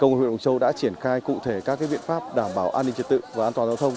công huyện mộc châu đã triển khai cụ thể các biện pháp đảm bảo an ninh trật tự và an toàn giao thông